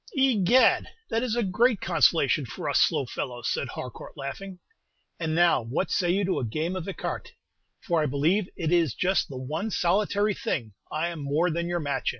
"Egad, that is a great consolation for us slow fellows," said Harcourt, laughing; "and now what say you to a game at écarté; for I believe it is just the one solitary thing I am more than your match in?"